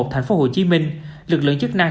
thành phố hồ chí minh lực lượng chức năng